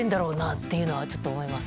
っていうのはちょっと思います。